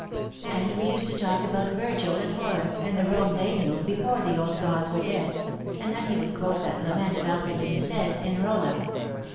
And we used to talk about Virgil and Horace, and the Rome they knew, before the old gods were dead ; and then he would quote that lament of Alfred de Musset's, in Bolla.